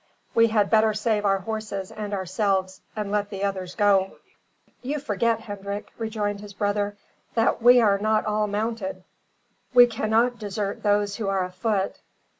We had better save our horses and ourselves and let the others go." "You forget, Hendrik," rejoined his brother, "that we are not all mounted. We cannot desert those who are afoot."